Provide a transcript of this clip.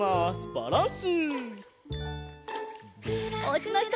バランス。